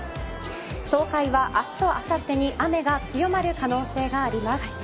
東海は、明日とあさってに雨が強まる可能性があります。